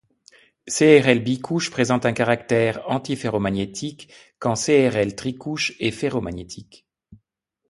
CrI bicouche présente un caractère antiferromagnétique quand CrI tricouche est ferromagnétique.